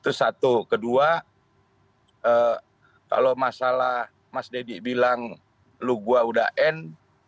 itu satu kedua kalau masalah mas deddy bilang lu gua udah end